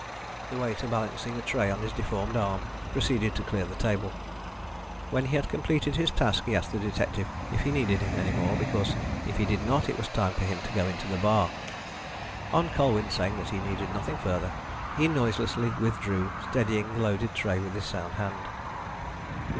The waiter, balancing a tray on his deformed arm, proceeded to clear the table. When he had completed his task he asked the detective if he needed him any more, because if he did not it was time for him to go into the bar. On Colwyn saying that he needed nothing further he noiselessly withdrew, steadying the loaded tray with his sound hand.